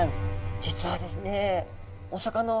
実はですね